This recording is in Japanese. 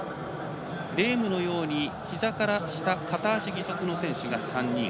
レームのようにひざから下片足義足の選手が３人。